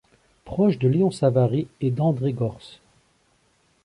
Proche de Léon Savary et d'André Gorz.